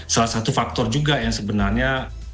salah satu faktor juga yang sebenarnya